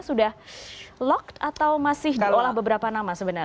sudah lock atau masih diolah beberapa nama sebenarnya